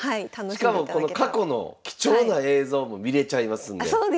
しかもこの過去の貴重な映像も見れちゃいますんで。